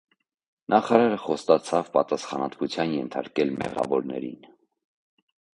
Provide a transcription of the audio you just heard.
Նախարարը խոստացավ պատասխանատվության ենթարկել մեղավորներին։